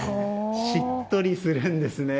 しっとりするんですね。